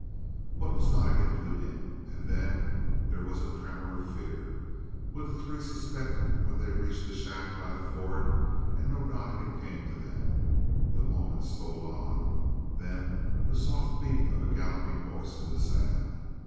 What was Donnegan to him? And then there was a tremor of fear. Would the three suspect when they reached the shack by the ford and no Donnegan came to them? The moments stole on. Then the soft beat of a galloping horse in the sand.